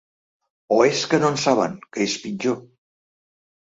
O és que no en saben, que és pitjor.